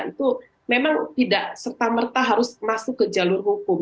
itu memang tidak serta merta harus masuk ke jalur hukum